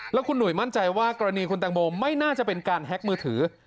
แล้วคุณหนุ่ยมั่นใจว่ากรณีคุณแตงโมไม่น่าจะเป็นการแฮ็กมือถือ